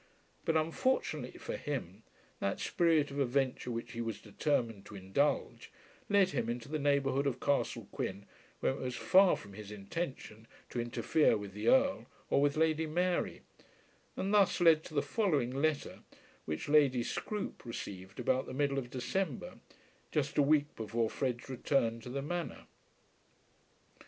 But, unfortunately for him, that spirit of adventure which he was determined to indulge led him into the neighbourhood of Castle Quin when it was far from his intention to interfere with the Earl or with Lady Mary, and thus led to the following letter which Lady Scroope received about the middle of December, just a week before Fred's return to the Manor.